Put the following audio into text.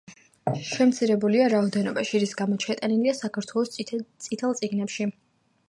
შემცირებულია რაოდენობაში, რის გამოც შეტანილია საქართველოს „წითელ წიგნებში“.